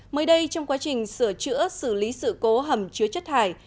mới đây trong quá trình sửa chữa xử lý sự cố hầm chứa chất thải